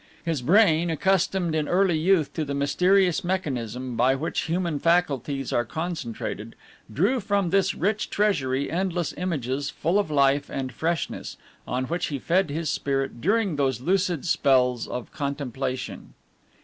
His brain, accustomed in early youth to the mysterious mechanism by which human faculties are concentrated, drew from this rich treasury endless images full of life and freshness, on which he fed his spirit during those lucid spells of contemplation.